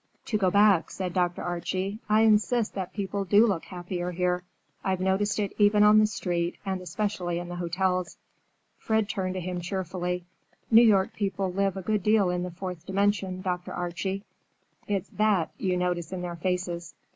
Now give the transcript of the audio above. "To go back," said Dr. Archie; "I insist that people do look happier here. I've noticed it even on the street, and especially in the hotels." Fred turned to him cheerfully. "New York people live a good deal in the fourth dimension, Dr. Archie. It's that you notice in their faces."